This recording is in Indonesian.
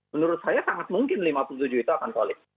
menurut saya sangat mungkin lima puluh tujuh itu akan solid